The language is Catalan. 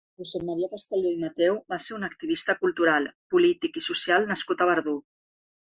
Josep Maria Castelló i Mateu va ser un activista cultural, polític i social nascut a Verdú.